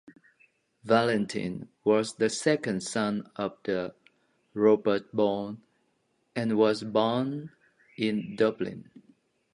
Valentine was the second son of Robert Ball and was born in Dublin.